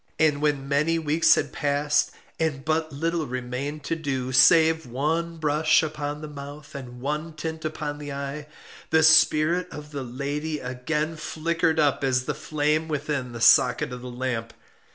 And when many weeks had passed, and but little remained to do, save one brush upon the mouth and one tint upon the eye, the spirit of the lady again flickered up as the flame within the socket of the lamp.